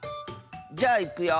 じゃあいくよ。